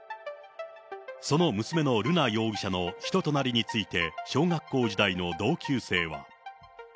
その娘の瑠奈容疑者の人となりについて小学校時代の同級生は。